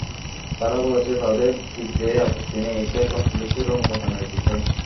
তারা বলেছে, তাদের দিতে আপত্তি নেই, এটা এখন পুলিশের অনুমোদনের বিষয়।